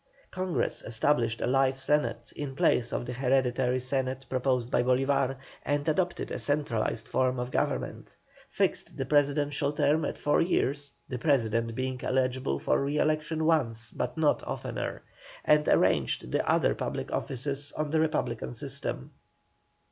Congress established a life Senate in place of the hereditary Senate proposed by Bolívar, and adopted a centralized form of government; fixed the presidential term at four years, the President being eligible for re election once but not oftener; and arranged the other public offices on the republican system.